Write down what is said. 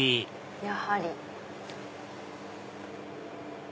やはり。